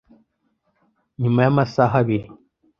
Nyuma y amasaha abiri